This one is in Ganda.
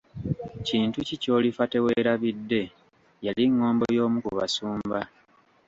Kintu ki kyolifa teweerabidde yali ngombo y'omu ku basumba.